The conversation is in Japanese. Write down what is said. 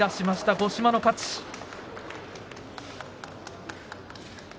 五島の勝ちです。